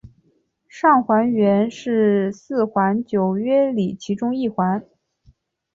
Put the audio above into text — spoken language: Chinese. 上环原是四环九约里其中一环。